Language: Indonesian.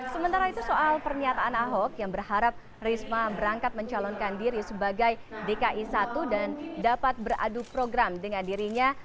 sementara itu soal pernyataan ahok yang berharap risma berangkat mencalonkan diri sebagai dki satu dan dapat beradu program dengan dirinya